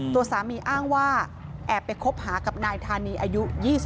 ตัวสามีอ้างว่าแอบไปคบหากับนายธานีอายุ๒๒